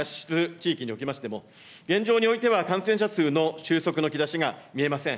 地域におきましても、現状においては感染者数の収束の兆しが見えません。